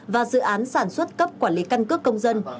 và dự án sản xuất cấp quản lý căn cước công dân